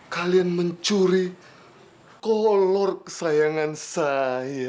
kalian mencuri kolor kesayangan saya